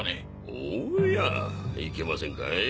おやいけませんかい？